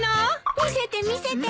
見せて見せて。